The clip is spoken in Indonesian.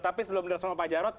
tapi sebelum direspon pak jarod